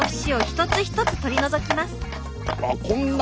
あっこんな。